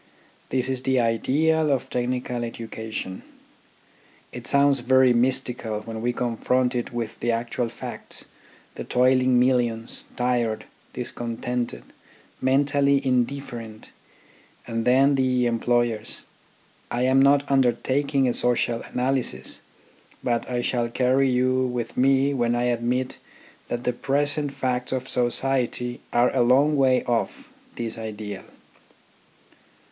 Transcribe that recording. This is the ideal of technical educa tion. It sounds very mystical when we confront it with the actual facts, the toiling millions, tired, discontented, mentally indifferent, and then the employers I am not undertaking a social analysis, but I shall carry you with me when I admit that the present facts of society are a long way off this ideal.